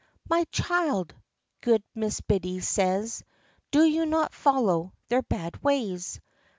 "My child," good Mrs. Biddy says, "Do you not follow their bad ways.